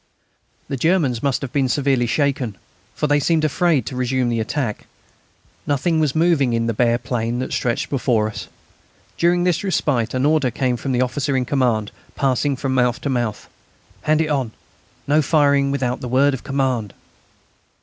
The Germans must have been severely shaken, for they seemed afraid to resume the attack. Nothing was moving in the bare plain that stretched before us. During this respite an order came from the officer in command, passing from mouth to mouth: "Hand it on: No firing without the word of command."